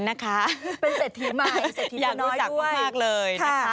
เป็นเศรษฐีใหม่อยากได้รู้จักกันมากเลย